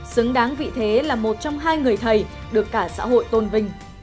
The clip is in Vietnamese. xứng đáng vị thế là một trong hai người thầy được cả xã hội tôn vinh